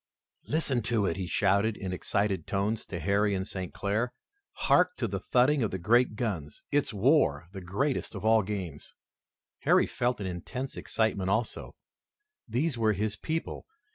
"Listen to it!" he shouted in excited tones to Harry and St. Clair. "Hark to the thudding of the great guns! It's war, the greatest of all games!" Harry felt an intense excitement also. These were his people.